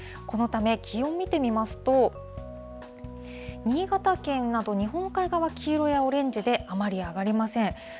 このため、気温見てみますと、新潟県など、日本海側、黄色やオレンジで、あまり上がりません。